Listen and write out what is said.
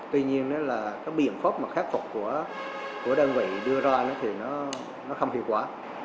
tuy nhiên biện phóp khắc phục của đơn vị đưa ra thì nó không hiệu quả